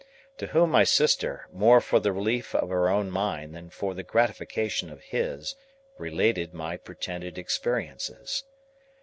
To whom my sister, more for the relief of her own mind than for the gratification of his, related my pretended experiences.